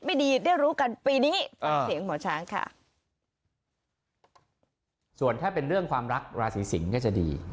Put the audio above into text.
มีเกณฑ์จะได้สละโสด